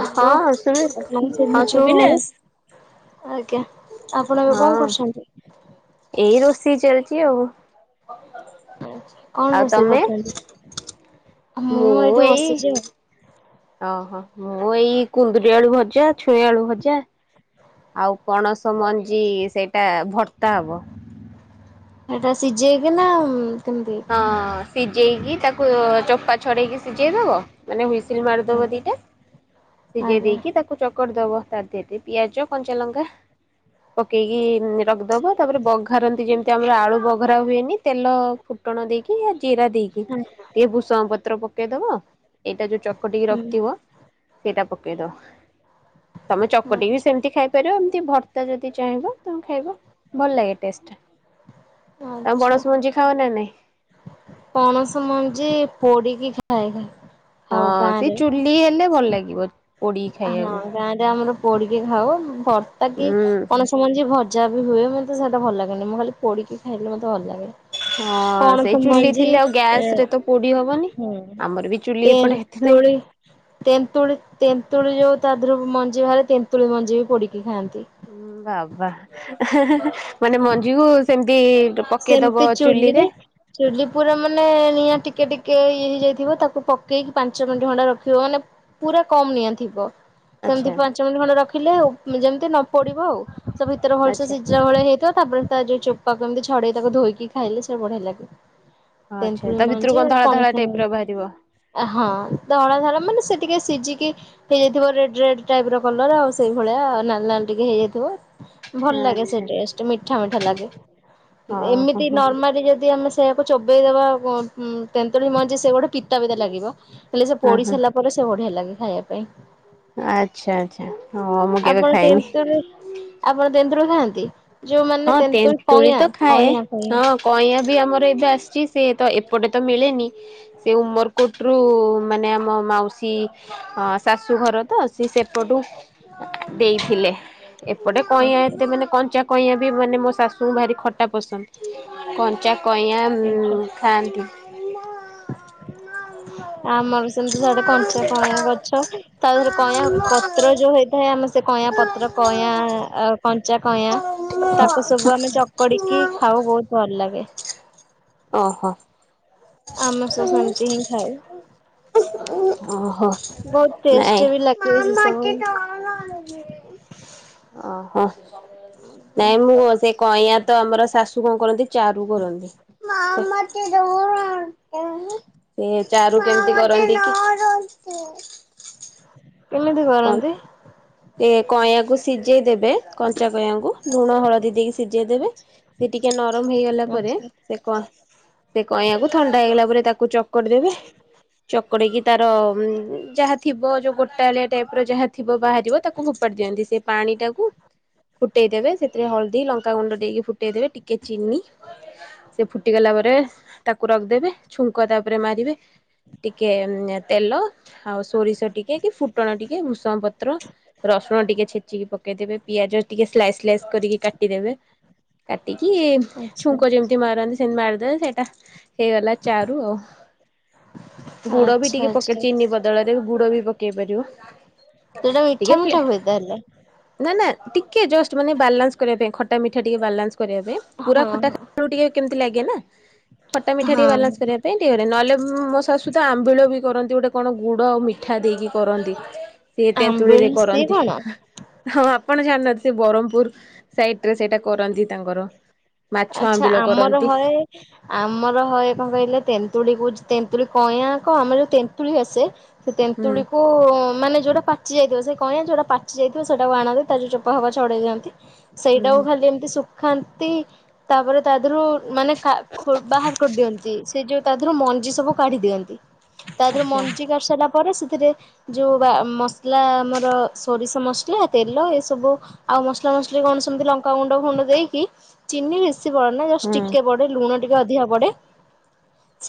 Hello ହଁ ଶୁବି ଆପଣଙ୍କୁ ହଁ ଶୁଭୁଛି ମୋ ଶୁଖିଲା? ଭଏସ୍? ଆଜ୍ଞା। ଆପଣ ଏବେ କଣ ହଁ କରୁଛନ୍ତି? ଏଇ ରୋଷ୍ ଷେଇ ଚାଲଚି ଆଉ। କଣ ଆଉ ରୋଷେଇ ତମେ କରୁଚନ୍ତି? ମୁଁ ଏଇ ଓହୋ। ମୁଁ ଏଇ କୁନ୍ଦୁରି ଆଳୁ ଭଜା ଛୁଇଁ ଆଳୁ ଭଜା [inaudible] ଆଉ ପଣସ ମଞ୍ଜି ସେଇଟା ଭର୍ତ୍ତା ହବ। ହେଟା ସିଜେଇକି ନାଁ କେମିତି? ସିଜେଇକି ତାକୁ ଚୋପା ଛଡ଼େଇକି ସିଝେଇ ଦେବ। ମାନେ ହୁଇସ୍ ତିଲ୍ ମାରିଦବ ଦିଟା ସିଜେଇ ଆଜ୍ଞା ଦେଇକି ତାକୁ ଚକଡ଼ିଦବ। ତା ଦିଅରେ ଟିଏ ପିଆଜ କଞ୍ଚା ଲଙ୍କା ପକେଇ କି ରଖିଦବ ତାପରେ ବଘାରନ୍ତି ଯେମ ଏ ଆମର ଆଳୁ ବଘରା ହୁଏନି ତେଲ ଟଣ ଦେଇକି ଜିରା ଦେଇକି ହୁଁ ଟିକେ ଭୃଷଙ୍ଗ ପତ୍ର ପ କେଦବା ଏଇଟା ଯୋଉ ଚକ ଟିକେ ହୁଁ ରଖିଥିବ ସେଇଟା ପ ଓକେଦ ତମେ ଚକଟି ବି ଆଚ୍ଛା। ସେମିତି ଖାଇପାରିବ ଭତ୍ତା ଯଦି ଚାହିଁବ ତମୁ ଖାଇବ ଭଲ ଲାଗେ ଟେଷ୍ଟ ଟା ତାମ ଆଚ୍ଛା ବଣସ ମଞ୍ଜି ଖାଅ ନା ନାଇଁ ପଣସ ମଞ୍ଜି ପୋଡିକି ଖାଏ ଖ। ହଁ ସେ ଚୁଲି ହେଲେ ଭଲ ଲାଗିବ ପୋଡିି ହଁ ଖାଇବାକୁ ଗାଁରେ ଆମର ପୋଡିକି ଖାଉ ତାକି ହୁଁ ପଣସ ମଞ୍ଜି ଭଜା ହୁଏ ମତ ସେଟା ଭଲ ଲାଗେି ମୁଁ ଖଲି ପୋିକି ଖାଇଲେ ମତେ ଭଲ ଲାଗେି ହଁ ସେଇ ଚୁଲି ହଁ ଥିଲେ ଆଉ ଗ୍ୟାସ ରେ ତ ପୋଡି ହବନି ଆମର ବି ଚୁଲି ଏପଟେ ଏତେ ନାହିଁ ତେନ୍ତୁଳି ତେନ୍ତୁଳି ତେନ୍ତୁଳି ଯୋଉ ତା ଧହରୁ ମଞ୍ଜି ଭାରେ ତେନ୍ତୁଳି ମଞ୍ଜି ବି ପଡିକି ଖାଆନ୍ତି ହୁଁ ଭାବ। ବା ମାନେ ମଞ୍ଜି କ ସେମିତି। ସେମିତି ଚୁଲିରେ ଚୁଲି ପୁରା ମାନେ ନିହାତିେ ଟିକେ ଟିକେ ଇଏ ହେଇଯାଇଥିବ ତାକୁ ପକେଇକି ପାଞ୍ଚ ମିନିଟ୍ ଖଣ୍ଡା ରଖିବ ମାନେ ପୁରା କମ ନିଆଁ ଥିବ ସେମିତି ଆଚ୍ଛା ପାଞ୍ଚ ମିନିଟ ଖଣ୍ଡେ ରଖିଲେ ଯେମିତି ନ ପଡିବ ଆଉ ସେ ଭିତରେ ହଲସେ ଆଚ୍ଛା ସିଝା ଭଳିଆ ହେଇଥିବ ତାପରେ ତା ଯୋଉ ଚୋପା କେମିତି ଛଡେଇ ତାକୁ ଧୋଇକି ଖାଇଲେ ସେ ବଢିଆ ଲାଗେ ଆଚ୍ଛା ତା ଭିତରୁ େୁୁଛି କଣ ଧଳା ଧଳା ପଣସ ଟାଇପ ର ବାହାରିବ। ହଁ ଧଳା ଧର ମାନେ ସେ ଟିକେ ସିଝିକି ହେଇଯାଇଥିବ ରେଡ ରେଡ୍ ଟାଇପ ର କଲର ଆଉ ସେଇ ଭଳିଆ ନାଲି ନାଲି ଟିକେ ହେଇଯାଇଥିବ ଭଲ ଲାଗେ ସେ ଆଚ୍ଛା ଟେଷ୍ଟ ମିଠା ମିଠା ଲାଗେ ହଁ ହଁ ଏମିତି ହଁ ନର୍ମାଲି ଯଦି ଆମେ ସେକୁ ଚୋବେେଇଦବା ତେନ୍ତୁଳି ମଞ୍ଜି ସେ ଗୋଟେ ପିତା ପିତା ଲାଗିବ ହେଲେ ସେ ହଁ ପଢି ହଁ ସାରିଲା ପରେ ସେ ବଢିଆ ଲାଗେ ଖାଇବା ପାଇଁ ଆଚ୍ଛା ଆଚ୍ଛା, ହଁ ମୁଁ କେବେ ଖାଇନି। [inaudible] ରେ ଖାନ୍ତି? ଯୋଉମାନେ ହଁ ତେନ୍ତୁଳ୍ ତେନ୍ତୁଳି ପାଣିଆ। ତ ଖାଏ, ହଁ କଇଁୟା ବି ଆମର ଏବେ ଆସିଛି। ସେ ତ ଏପଟେ ତ ମିଳେନି, ସେ ଉମରକୋଟରୁ ମାନେ ଆମ ମାଉସୀ ଶାଶୁଘର ତ ସେ ସେପଟୁ ଦେଇଥିଲେ, ଏପଟେ କଇଁୟା ଆଚ୍ଛା ଏତେ ମାନେ କଞ୍ଚା କଇଁୟା। [inaudible] ମାନେ ମୋ ଶାଶୁଙ୍କୁ ଭାରି ଖଟା ପସନ୍ଦ କଞ୍ଚା କଇଁୟା ଆଚ୍ଛା। ଖାଆନ୍ତି। ଆମର ବି ସେମିତି ସେଆଡେ କଞ୍ଚା କଇଁୟା ଗଛ, ତା ଦେହରେ କଇଁଁୟା ପତ୍ର ଯୋଉ ହେଇଥାଏ ଆମେ ସେ କଇଁୟା ପତ୍ର କଇଁୟା କନ୍ କଞ୍ଚା କଇଁୟା, ତାକୁ ସବୁ ଆମେ ଚକଡିକି ଖାଉ ବହୁତ ଭଲ ଲାଗେ। ଓହୋଃ। ଆମେ ସବୁ ସେମିତି ହିଁ ଖାଉ ଓହୋଃ ବହୁତ ଟେଷ୍ଟ ବି ଲାଗେ ସେ ନାଇଁ ସବୁ। ଓହୋଃ। ନାଇଁ ମୁଁ ସେ କଇଁୟା। ତ ଆମର ଶାଶୁ କଣ କରନ୍ତି ଚାରୁ କରନ୍ତି। ସେ ଚାରୁ କେମିତି କରନ୍ତି କି। କେମିତି କରନ୍ତି? ଏ କଇଁଆକୁ ସିଝେଇ ଦେବେ କଞ୍ଚା କଇଁୟାକୁ। ଲୁଣ ହଳଦୀ ଦେଇକି ସିଝେଇ ଦେେବେ ସେ ଟିକେ ନରମ ହେଇଗଲା ପରେ ଆଛା ସେ କ ସେ କଇଁୟାକୁ ଥଣ୍ଡା ହେଇଗଲା ପରେ ତାକୁ ଚକ୍ ଚକଡିଦେବେ, ଚକଡିକି ତାର ଯାହା ଥିବ ଯୋଉ ଗୋଟାଳିଆ ଟାଇପର ଯାହା ଥିବ ବାହାରିବ। ତାକୁ ଫୋପାଡି ଦିଅନ୍ତି। ସେ ପାଣି ଟାକୁ ଫୁଟେଇ ଦେେବେ ସେଥିରେ ହଳଦୀ ଲଙ୍କାଗୁଣ୍ଡ ଦେଇକି ଫୁଟେଇ ଦେବେ, ଟିକେ ଚିନି ସେ ଫୁଟିଗଲା ପରେ ତାକୁ ରଖିଦେବେ ଛୁଙ୍କ ତାପରେ ମାରିବେ ଟିକେ ତେଲ ଆଉ ସୋରିଷ ଟିକେ କି ଫୁଟଣ ଟିକେ ଭୃଷଙ୍ଗ ପତ୍ର ରସୁଣ ଟିକେ ଛେଚିକି ପକେଇଦେବେ ପିଆଜ ଟିକେ ସ୍ଲାଇସ୍ଲାଇସ୍ କରିକି କାଟିଦେବେ, କାଟିକି ଆଛା ଛୁଙ୍କ ଯେମିତି ମାରନ୍ତି ସେମତି ମାରି [unintelligible] ସେଇଟା ହେଇଗଲା ଚାରୁ ଆଉ, ଗୁଡ ବି ଆଚ୍ଛା ଟିକେ ପକେଇ ଆଚ୍ଛା ଚିନି ବଦଳରେ ଗୁଡ ବି ପକେ ସେଇଟା ହେଇପାରିବ। ମିଠା ମିଠା ହୁଏ ତାହେଲେ? ନା ଟିକେ ଜଷ୍ଟ୍ ମାନେ ବାଲାନ୍ସ୍ କରିବା ପାଇଁ ଖଟା ମିଠା ଟିକେ ବାଲାନ୍ସ କରିବା ପାଇଁ, ପୁରା ହଁ ଖଟା [inaudible] ହଁ କେମିତି ଲାଗେ ନା, ଖଟା ମିଠା ହଁ ଟିକେ ବାଲାନ୍ସ କରିବା ପାଇଁ ଟିକେ [inaudible] ନହେଲେ ମୋ ଶାଶୁ ସୁଧୁ ଆମ୍ବିଳ ବି କରନ୍ତି ଗୋଟେ କଣ ଗୁଡ଼ ଆଉ ମି ମିଠା ଦେଇକି କରନ୍ତି ସିଏ ତେନ୍ତ୍ ତୁଳିରେ ଆମ୍ବିଳା ସିଏ କରନ୍ତି କଣ? ହଁ ଆପଣ ଜାଣନ୍ତି। ସେ ବ୍ରହ୍ମପୁର ସାଇଟ ରେ ସେଇଟା କରନ୍ତି ତାଙ୍କର। ମାଛ ଆଛା ଆମ୍ବିଳ ଆମର କରନ୍ତି ହଏ ଆମର ହଏ କଣ କହିଲେ ତେନ୍ତୁଳି କ ତେନ୍ତୁରି କଇଁୟା କ ଆମରଉ ତେନ୍ତୁଳି ଆସେ। ସେ ହୁଁ ତେନ୍ତୁଳିକୁ ମାନେ ଯୋଉଟା ପାଚି ଯାଇଥିବ ସେ କହଆ ଯେଉଟା ପାିାଇଥିବ ସେଇାକୁ ଆଣନ୍ତି ତା ଯେଉ ଚୋପାବା ଛଡ଼େଇ ଦଅନ୍ତି। ହୁଁ ସେଇଟା କୁ ହୁଁ ଖାଲି ଏମିତି ସୁଖ ଖାନ୍ତି। ତାପରେ ତା ଦେହରୁ ମାନେ ବାହାର କରିଦିଅନ୍ତି। ସେ ଯୋଉ ତା ଦେହରୁ ମଞ୍ଜି ସବୁ କାଢି ଦିଅନ୍ତି। ତା ଦେହରେ ଆଚ୍ଛା ମଞ୍ଜି କରି ସାରିଲା ପରେ ସେଥିରେ ଯୋଉ ବା ମସଲା ଆମର ସୋରିଷ ମସଲା ତେଲ ଏ ସବୁ ଆଉ ମସଲା ମସଲି କଣ ସେମିତି ଲଙ୍କାଗୁଣ୍ଡ ଫୁଣ୍ଡ ଦେଇକି ଚିନି ପ ହୁଁ ନାଷ୍ଟିକେ ପଡେ ଲୁଣ ଟିକେ ଅଧିକା ପଡେ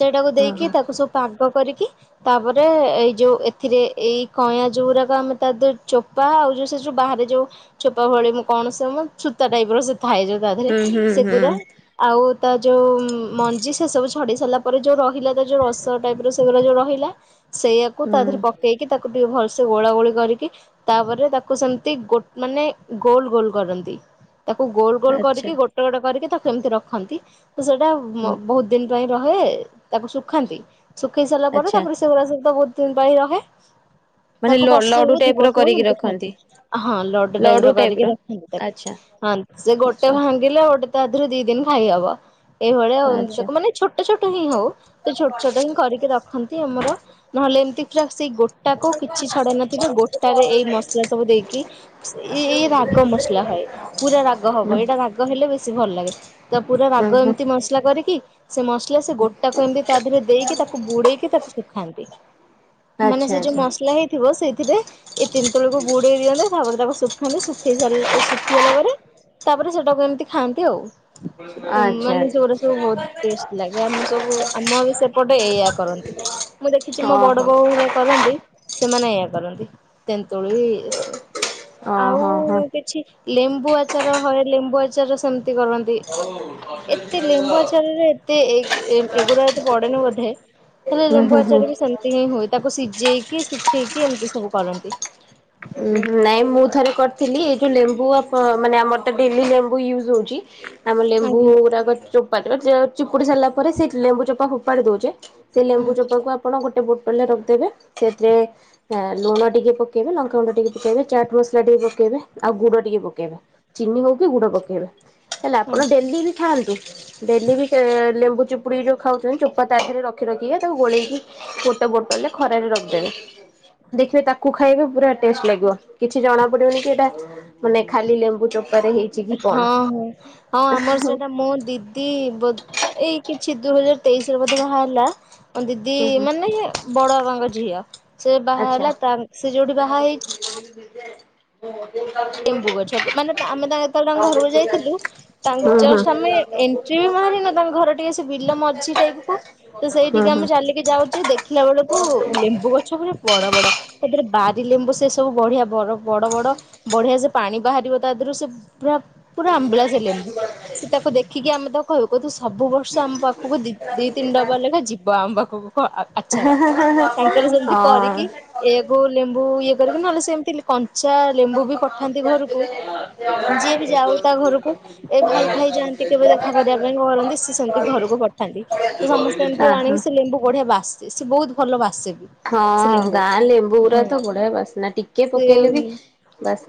ସେଇଟାକୁ ହଁ ଦେଇକି ହଁ। ତାକୁ ସବୁ ପାଗ କରିକି ତାପରେ ଏଇ ଯୋଉ ଏଥିରେ ଏଇ କଁୟାଁ ଯୋଉ ଗୁଡାକ ଆମେ ତା ଯୋଉ ଚୋପା ଆଉ ଯୋଉ ସେ ଯୋଉ ବାହାରେ ଯୋଉ ଚୋପା ଭଳି କଣ ସେ ସଛୂତା ଟାଇପ ର ସାଯାଉ ତା ଦେହରେ ହୁଁ ହୁଁ ସେ ହୁଁ ପୁରା ଆଉ ଓ ତା ଯଉ ମଞ୍ଜି ସେ ସବୁ ଛଡି ସାରିଲା ପରେ ଯଉ ରହିଲା ତା ଯଉ ରସ ଟାଇପ ର ସେଗା ରହିଲା ସେଇଆକୁ ତା ହୁଁ ଦେରେ ପକେଇକି ତାକୁ ଟିକେ ଭଲ ସେ ଗୋଳା ଗୋଳି କରିକି ତାପରେ ତାକୁ ସେମିତି ଗୋ ମାନେ ଗୋଲ ଗୋଲ କରନ୍ତି। ତାକୁ ଗୋଲ ଗୋଲ ଆଚ୍ଛା କରିକି ଗୋଟ କରିକି ତାକୁ ଏମିତି ରଖନ୍ତି। ତ ସେଇଟା ହୁଁ ବହୁତ ଦିନ ରହେ ତାକୁ ଶୁଖାନ୍ତି। ଶୁଖେଇ ସାରିଲା ପରେ ଆଚ୍ଛା ତାପ ସେଗୁାରା ସବୁ ତ ବହୁ ଦିନ ପାଇଁ ରହେ। ମାନେ ତାକୁ ଲ ବର୍ଷ ଲଡୁ ହଉ ଦି ଟାଇପ୍ ର ବର୍ଷ ହଉ କରିକି ଏମିତି ଖାଆନ୍ତି। ରଖନ୍ତି ହଁ ଲଡ ଡାଇବ୍ର ଲଡୁ ଟାଇପ୍ କରିକି ର ରଖନ୍ତି ।ତାକୁ ଆଚ୍ଛା ହଁ ସେ ଗୋଟେ ଆଚ୍ଛା ଖାଆନ୍ତି। ଓଟତଆ ଦି ଦିନ ଖାଇହବ। ଏଇଭଳିଆ ଆଚ୍ଛା ତାକୁ ମାନେ ଛୋଟ ଛୋଟ ହିଁ ହଉ ତ ଛୋଟ ଛୋଟ ହିଁ କରିକି ରଖନ୍ତି ଆମର। ନହେଲେ ଏମିତି ପୁରା ସେଇ ଗୋଟା କ କିଛି ଛଡା ନଥିବେ ଗୋଟାରେ ଏଇ ମସଲା ସବୁ ଦେଇକି ଏଇ ରାଗ ମସଲା ହଏ ପୁରା ରାଗ ହବ ହୁଁ ଏଇଟା ରା ବେଶ ଭଲ ଲାଗେ ପୁରା ହୁଁ ରାଗ ହୁଁ ଏମିତି ମସଲା କରିକି [unintelligible] ସେ ମସଲା ସେ ଗୋଟାକୁ ଏମିତି ତା ଦେହରେ ଦେଇକି ତାକୁ ବୁଡେଇକି ତାକୁ ଶୁଖାନ୍ତି ମାନେ ଆଚ୍ଛା ସେ ଯୋଉ ଆଚ୍ଛା ମସଲା ହେଇଥିବ ସେଇଥିରେ ଏଇ ତିନି ତୁଳକୁ ବୁଡେଇ ଦିଅନ୍ତତା ତାପରେ ତାକୁ ଶୁଖାନ୍ତି ଶୁଖେଇ ସାରିଲା ଶୁଖିଗଲା ପରେ ତା [inaudible] ଏମିତି ଖାଆନ୍ତି ଆଉ। ଆଚ୍ଛା ମାନେ ସେଗୁରା ଆଚ୍ଛା ସବୁ ବହୁତ ଟେଷ୍ଟ ଲାଗେ ଆମର ସବୁ ଆମର ସେପଟେ ଏଇୟଆ କରନ୍ତି ମୁଁ ଦେଖିଛି ମୋ ବଡ ଓହୋ ବୋଉ ହେଆ କରନ୍ତି। ସେମାନେ ଏଇଆ କରନ୍ତି ତେନ୍ତୁଳି ଇଏ ସେ ଓହୋ ଆଉ ହୋ କିଛି ଲେମ୍ବୁ ଆ ଚାର ହଁ ଲେମ୍ବୁ ଆଚାର ସେମିତି କରନ୍ତି। ଏତେ ଲେମ୍ବୁ ଆଚାରରେ ଏତେ ଏ-ଏ ଏଗୁଡ଼ା ଏତେ ପଡେନି ବୋଧେ ହେଲେ ହୁଁ ଲେମ୍ବୁ ହୁଁ ହୁଁ। ଆଚାର ବି ସେମିତି ହିଁ ହୁଏ ତାକୁ ସିଝେଇକି କିଏ ସୁଖେଇ କି ଏମିତି ସବୁ କରନ୍ତି। ନାଇଁ ମୁଁ ଥରେ କରିଥିଲି ଏଇ ଯୋଉ ଲେମ୍ବୁ ମାନେ ଆମର ତ ଡେଲି ଲେମ୍ବୁ ୟୁଜ୍ ହଉଛି। ଆମ ଲେମ୍ବୁ ଆଜ୍ଞା ଗୁଡ଼ାକ ଚୋପା ଚିପୁଡ଼ି ସାରିଲା ପରେ ସେ ଲେମ୍ବୁ ଚୋପ ଫୋପାଡ଼ି ଦେଉଛେ। ସେ ଲେମ୍ବୁ ଆଚ୍ଛା ଚୋପା କୁ ଆପଣ ଗୋଟେ ଏ ବୋଟଲରେ ରଖିଦେବେ ସେଥିରେ ଲୁଣ ଟିକେ ପକେଇବେ ଲଙ୍କା ଗୁଣ୍ଡ ଟିକେ ପକେଇବେ ଚାଟ୍ ମସଲା ଟିକେ ପକେଇବେ ଆଉ ଗୁଡ଼ ଟିକେ ପକେଇବେ। ଚିନି ହଉ କିି ଗୁଡ଼ ପକେଇବେ ହେଲେ ଆପଣ ଆଚ୍ଛା ଡେଲି ବି ଖାଆନ୍ତୁ ଡେଲି ବି ଲେମ୍ବୁ ଚିପୁଡ଼ି କି ଯୋଉ ଖାଉଛନ୍ତି ଚୋପା ତା ଦେରେ ରଖି ରଖି ତାକୁ ଗୋଳେଇକି ଗୋଟେ ବୋଟଲ୍ ରେ ଖରାରେ ରଖିଦେବେ ଦେଖିବେ ତାକୁ ଖାଇବେ ପୁରା ଟେଷ୍ଟ୍ ଲାଗିବ କିଛି ଜଣା ପଡ଼ିବନି କି ଏଇଟା ମାନେ ଖାଲି ଲେମ୍ବୁ ଚୋପ ହଁ ହଁ ହଁ ଆମର ସେଇଟା ମୋ ଦିଦି ବୋ ଏଇ ଅଛି ଦୁଇ ହଜାର ତେଇଶି ରେ ବୋଧେ ବାହାହେଲା। ଦିଦି ହୁଁ ହୁଁ ମାନେ ବଡ଼ ବାବା ଙ୍କ ଝିଅ। ସେ ବାହା ଆଚ୍ଛା ହେଲା ତା ସେ ଯୋଉଠି ବାହା ହେଇଛି। [inaudible] ଲେମ୍ବୁ ଗଛ କୁ ମାନେ ଆମେ ତାଙ୍କ ଯେତେବେଳେ ତାଙ୍କ ଘରକୁ ଯାଇଥିଲୁ ତା ହୁଁ ହୁଁ ଜଷ୍ଟ୍ ଆମେ ଏଣ୍ଟ୍ରି ବି ମାରିନୁ ତାଙ୍କ ଘର ଟିକେ ସେ ବିଲ ମଝି ଟାଇପ୍ କୁୁ ତ ହୁଁ ସେଇଟିକି ହୁଁ ହଁ। ଆମେ ଚାଲିକି ଯାଉଚୁ ଦେଖିଲା ବେଳକୁ ଲେମ୍ବୁ ଗଛ ପୁରା ବଡ଼ ବଡ଼ ସେଥିରେ ବାରି ଲେମ୍ବୁ ସେ ସବୁ ବଢ଼ିଆ ବଡ଼ ବଡ଼ ବଡ଼ ପାଣି ବାହାରିବ ତା ଦେରୁୁ ସେ ପୁରା ପୁରା ଆମ୍ବିଲା ସେ ଲେମ୍ବୁ ସେଟା କୁ ଦେଖିକି ଆମେ ତ କହିବୁ ସବୁ ବର୍ଷ ଆମ ପାଖ୍ ସବୁ ଦି ତିିନି ଡ଼ବା ଯିବ ଆମ ପାଖକୁ। ହୋଉ ଆଚାର ଆହା। ତାଙ୍କର ଯେମିତି ହଁ କରିକି ଏକୁ ଲେମ୍ବୁ ସବୁ ଇଏ କରିବି ନହେଲେ ସେମିତି କଞ୍ଚା ଲେମ୍ବୁ ବି ପଠାନ୍ତି ଘରକୁ ଯିଏ ବି ଯାଉ ତା ଘରକୁ ଏ ଭାଇ ଫାଇ ଯାଆନ୍ତି କେବେ ଦେଖା କରିବା ପାଇଁ କରନ୍ତି ସେ ସେମିତି ଘରକୁ ପଠାନ୍ତି ତ ସମସ୍ତେ ଏମିତି ଆଣିକି ସେ ଲେମ୍ବୁ ବଢ଼ିଆ ବାସ୍ ସେ ବହୁତ୍ ଭଲ ବା ହଁ ଗାଁ ଲେମ୍ବୁ ଉରା ହଁ ତ ବଢ଼ିଆ ବାସ୍ନା ଟିକେ ପକେଇଲେ ବି ସେ ବାସ୍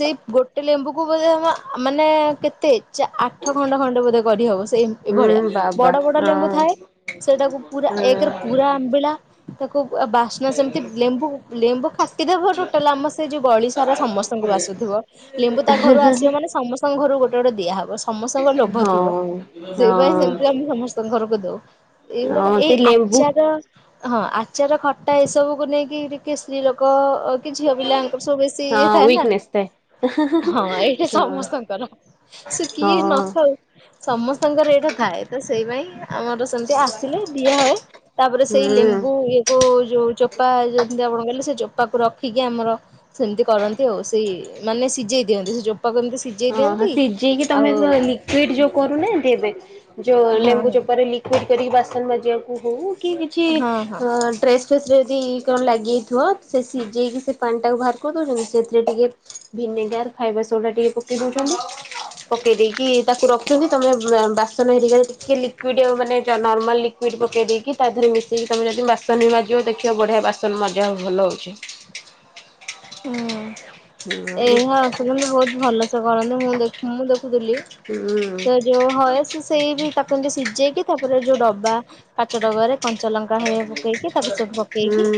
ସେଇ ଗୋଟେ ଲେମ୍ବୁ କୁ ବୋଧେ ମାନେ କେତେ? ଆଠ ଖଣ୍ଡେ ଖଣ୍ଡେ ବୋଧେ କରିହବ ସେ ହୁଁ ଭଳିଆ ବାବା ବଡ ବଡ ଲେମ୍ବୁ ଥାଏ ସେଟାକୁ ପୁରା ହଁ ଏକରେ ପୁରା ଆମ୍ବିଳା। ତ ଖୁବ ଉ ବାସ୍ନା ସେମିତି ଲେମ୍ବୁ ଲେମ୍ୱୁ କାଟିଦବ ଟୋଟାଲ ଆମ ସେ ଯୋଉ ଗଳି ସାରା ସମସ୍ତଙ୍କୁ ବାସୁଥିବ ହୁଁ। ।ଲେମ୍ବୁ ତା ଘରୁ ଆସିବ ମାନେ ସମସ୍ତଙ୍କ ଘରକୁ ଗୋଟେ ଗୋଟେ ଦିଆହବ ସମସ୍ତଙ୍କର ଲୋଭ ଥିବ ହଁ ସେଇପାଇ ହଁ ସେମିତି ଆମେ ସମସ୍ତଙ୍କ ଘରକୁ ଦଉ ଏଇଗୁଡାକ ହଁ ଏଇ ସେ ଲେମ୍ବୁ ଆଚାର ହଁ ଆଚାର ଖଟା ଏସବୁକୁ ନେଇକି ଟିକେ ସ୍ତ୍ରୀ ଲୋକ ଓ କି ଝିଅ ପିଲା ସବୁ ବେଶୀ ଇଏ ହଁ ଥାଏ ନା ୱିକନେସ୍ ଥାଏ ହଁ ଏଇଟା ହଁ ସମସ୍ତଙ୍କର ସେ କିଏ ହଁ ନଖାଉ ସମସ୍ତଙ୍କର ଏଇଟା ଥାଏ ତ ସେଇ ପାଇଁ ଆମର ସେମିତି ଆସିଲେ ଦିଆ ହୁଏ ତାପରେ ସେଇ ହୁଁ ଲେମ୍ବୁ ଇଏ କ ଯୋଉ ଚୋପା ଯେମତି ଆପଣ କହିଲେ ସେ ଚୋପା ତାକୁ ରଖିକି ଆମର ସେମିତି କରନ୍ତି ଆଉ ସେଇ ମାନେ ସିଝେଇ ସେ ଯୋଉ ହଁ ହଁ ସିଝେଇକି ତମେ ଯ ଲିକ୍ୱିଡ ଯୋଉ କରୁନାହାତି ଏବେ ଯୋଉ ହଁ ଲେମ୍ବୁ ଚୋପାରେ ଲିକ୍ୱିଡ଼ି କରିକି ବାସନ ଜେମ୍ କୁ ହେଉ କି କିଛି ହଁ ହଁ ହଁ ଅ ଡ୍ରେସ ଫେସ ଯଦି କଣ ଲାଗିଯାଇଥିବ ସେ ସିଝେଇକି ସେ ପାଣିଟାକୁ ବାହାର କରିଦେଉଛନ୍ତି ।ସେଥିରେ ଟିକେ ଭିନେଗାର ଫାଇବାର ସୋଡ଼ା ଟିକେ ଦଉଛନ୍ତି ପକେଇ ଦେଇକି ତାକୁ ରଖୁଛନ୍ତି ତମେ ବାସନ ହେର ଟିକେ ଲିକଇଡ ମାନେ ନର୍ମାଲ ଲିକଇଡ ପକେଇ ଦେଇକି ତା ଦେହରେ ମିଶେଇକି ତମେ ଯଦି ବାସନ ବି ବାଜିବ ଦେଖିବ ବଢିଆ ବାସନ ମଜା ଭଲ ହଉଛି। ହୁଁ। ହୁଁ ଏଇ ଆସୁନ୍ତୁ ବହୁତ ଭଲସେ କରନ୍ତି ମୁଁ ଦେଖ ମୁଁ ଦେଖ ହୁଁ ତ ଯୋଉ ହଏସ ସେଇ ତାକୁମିତି ସିଝେଇକି ରେ ଯୋଉ ଡବା କାଚ ଡବା ରେ ପକେଇକି ହୁଁ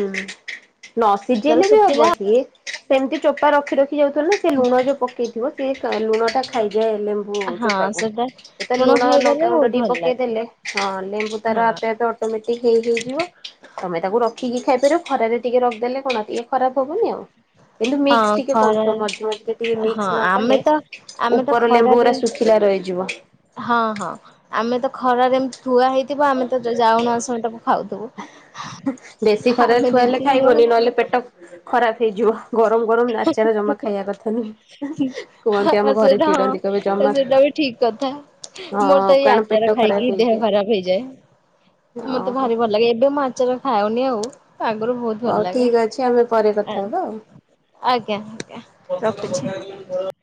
ନ ତାର ସିଝିଲେ ବି ଶୁଖିଲା ହବ ସିଏ ସେମିତି ଚୋପା ରଖି ରଖି ଯାଉଥିଲ ନା ସେ ଲୁଣ ଯୋଉ ପକେଇଥିବ ସେ ଲୁଣ ଟା ଖାଇଯାଏ ଲେମ୍ବୁ ହଁ ଚୋପାକୁ ସେଟା ଏ ତ ଲୁଣ ଖାଇଦେଲେ ଲଙ୍କାଗୁଣ୍ଡ ବହୁତ ଟିକେ ଭଲ ପକେଇ ଲାଗେ ଦେଲେ ହଁ ଲେମ୍ବୁ ହଁ ତାର ଆପେ ଆପେ ଅଟୋମେଟିକ ହେଇଯିବ ତମେ ତାକୁ ରଖିକି ଖାଇପାରିବ ଖରାରେ ଟିକେ ରଖିଦେଲେ କଣ ଟିକେ ଖରାପ ହବନି ଆଉ। କିନ୍ତୁ ମିକ୍ସ ହଁ ଟିକେ କରହୁଥିବ ଖରାରେ ମଝି ମଝିରେ ଟିକେ ହଁ ମିକ୍ସ ନ ଆମେ କଲେ ତ ଆମେ ତ ଉପର ଲେମ୍ବୁ ଖରାରେ ଗୁରା ଶୁଖିଲା ରହିଯିବ। ହଁ ହଁ ଆମେ ତ ଖରାରେ ଥୁଆ ହେଇଥିବ ଆମେ ତ ଯାଉନ ଆସୁ ତାକୁ ଖାଉଥିବୁ ବେଶୀ ଖରାରେ ଆମେ ଥୁଆ ହେଲେ ଦିଦି ମୁ ଖାଇବନି ନହେଲେ ପେଟ ଖରାପ ହେଇଯିବ। ଗରମ ଗରମ ଆଚାର ଜମା ଖାଇବା କଥା ନୁହେଁ କୁହନ୍ତି ଆମ ଘରେ ସେଇଟା ହଁ ଚିଡନ୍ତି କହିବେ ଜମା ସେଇଟା ବି ଠିକ କଥା। ହଁ ମୋର ତ ଏଇ କାରଣ ଆଚାର ପେଟ ଖାଇକି ଖରାପ ଦେହ ହେଇଯଏ। ଖରାପ ହେଇଯାଏ। ମତେ ଭାରି ଭଲ ଲାଗେ ଏବେ ଆଚାର ଖାଉ ନିଓ। ହଉ ଠିକ ଅଛି, ଆମେ ପରେ କଥା ହବା ଆଉ । ଆଜ୍ଞା, ଆଜ୍ଞା ରଖୁଛି ।